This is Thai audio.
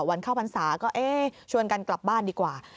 วันข้าวบรรษาก็ชวนกันกลับบ้านดีกว่า